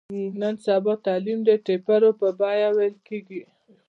نن سبا تعلیم د ټېپرو په بیه ویل کېږي.